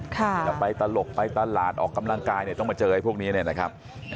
จะไปตลกไปตลาดออกกำลังกายเนี่ยต้องมาเจอไอ้พวกนี้เนี่ยนะครับ